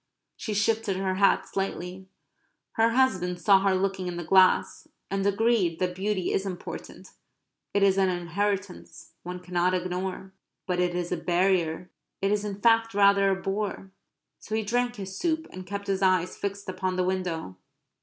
She shifted her hat slightly. Her husband saw her looking in the glass; and agreed that beauty is important; it is an inheritance; one cannot ignore it. But it is a barrier; it is in fact rather a bore. So he drank his soup; and kept his eyes fixed upon the window.